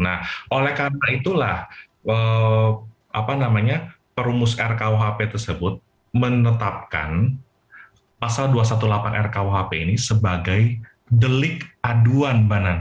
nah oleh karena itulah perumus rkuhp tersebut menetapkan pasal dua ratus delapan belas rkuhp ini sebagai delik aduan mbak nana